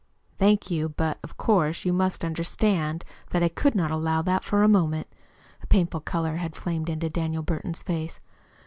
"Thank you; but of course you must understand that I could not allow that for a moment." A painful color had flamed into Daniel Burton's face.